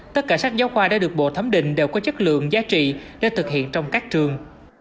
tất cả sách giáo khoa đã được bộ thấm định đều có chất lượng giá trị để thực hiện trong các trường